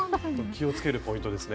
気をつけるポイントですね。